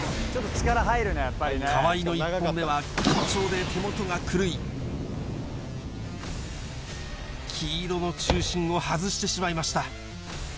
河合の１本目は、緊張で手元が狂い、黄色の中心を外してしまいました。